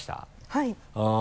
はい。